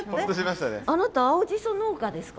あなた青じそ農家ですか？